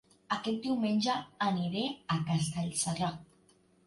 Aquest diumenge aniré a Castellserà